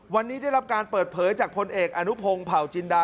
วันนี้ได้รับการเปิดเผยจากพลเอกอนุพงศ์เผาจินดา